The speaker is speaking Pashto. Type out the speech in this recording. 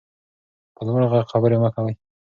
په لوړ غږ خبرې مه کوئ.